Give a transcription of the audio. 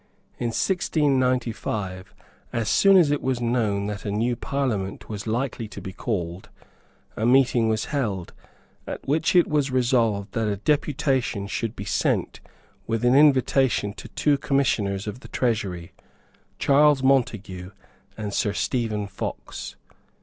In 1695, as soon as it was known that a new Parliament was likely to be called, a meeting was held, at which it was resolved that a deputation should be sent with an invitation to two Commissioners of the Treasury, Charles Montague and Sir Stephen Fox.